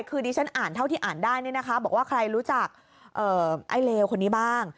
คือดิฉันอ่านเท่าที่อ่านได้บอกว่าใครรู้จักไอ้เลวคนนี้บ้าง